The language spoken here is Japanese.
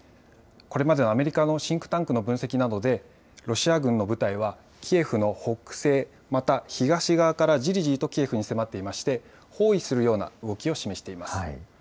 これまでのアメリカのシンクタンクの分析などで、ロシア軍の部隊はキエフの北西、また東側からじりじりとキエフに迫っていまして、包囲するような動きを示しています。